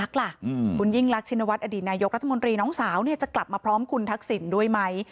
คุณยิ่งรักชินวัฒนอดีตนายกรัฐมนตรีน้องสาวจะกลับมาพร้อมคุณทักษิณด้วยไหม